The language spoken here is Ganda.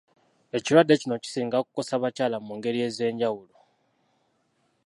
Ekirwadde kino kisinga kukosa bakyala mu ngeri ez'enjawulo.